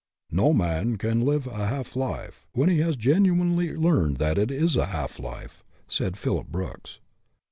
" No man can live a half life when he has genuinely learned that it is a half life," said Phillips Brooks.